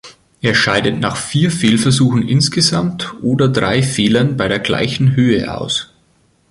Er scheidet nach vier Fehlversuchen insgesamt oder drei Fehlern bei der gleichen Höhe aus.